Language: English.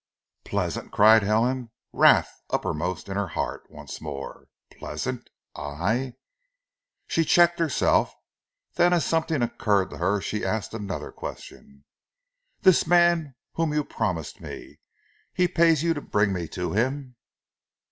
"Pleasant!" cried Helen, wrath uppermost in her heart once more. "Pleasant! I " She checked herself, then as something occurred to her she asked another question. "This man whom you promise me? He pays you to bring me to him?"